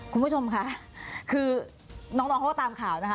คุณผู้ชมค่ะคือน้องน้องพวกตามข่าวนะค่ะ